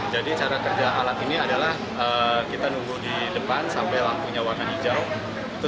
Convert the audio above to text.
jadi cara kerja alat ini adalah kita nunggu di depan sampai lampunya warna hijau